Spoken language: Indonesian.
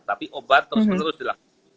tapi obat terus menerus dilakukan